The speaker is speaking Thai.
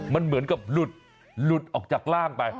มันเหมือนกับหลุดออกจากร่างไป